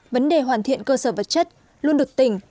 vấn đề hoàn thiện cơ sở vật chất luôn được tỉnh